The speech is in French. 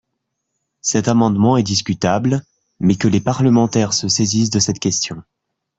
Cet amendement est discutable, mais que les parlementaires se saisissent de cette question